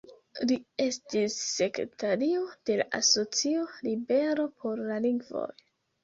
Li estis sekretario de la asocio "Libero por la lingvoj".